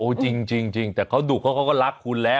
เอาจริงแต่เขาดุเขาก็รักคุณแล้ว